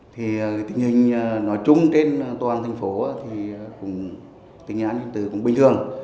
thì tình hình nói chung trên toàn thành phố thì cũng tình nhanh tình tư cũng bình thường